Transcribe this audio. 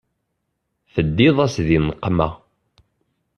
Teddiḍ-as di nneqma.